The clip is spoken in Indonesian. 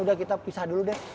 udah kita pisah dulu deh